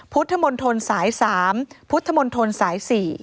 พุทธมนตรสาย๓พุทธมนตรสาย๔